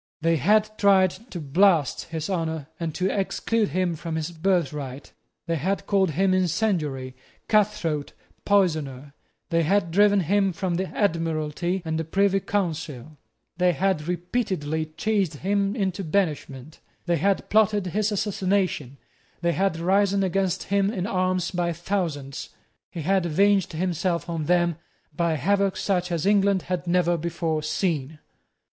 They had tried to blast his honour and to exclude him from his birthright; they had called him incendiary, cutthroat, poisoner; they had driven him from the Admiralty and the Privy Council; they had repeatedly chased him into banishment; they had plotted his assassination; they had risen against him in arms by thousands. He had avenged himself on them by havoc such as England had never before seen.